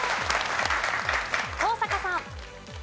登坂さん。